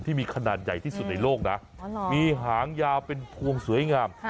ที่มีขนาดใหญ่ที่สุดในโลกนะมีหางยาวเป็นพวงสวยงาม